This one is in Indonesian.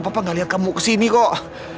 papa gak lihat kamu kesini kok